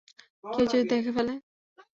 কেউ যদি দেখে ফেলে?